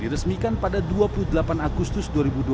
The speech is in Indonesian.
diresmikan pada dua puluh delapan agustus dua ribu dua puluh